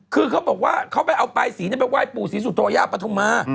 คือเขาบอกว่าเขาไปเอาปลายสีไปไหว้ปู่ศรีสุโธยาปฐุมา